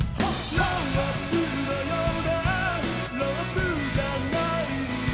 「ロープのようでロープじゃないんだ」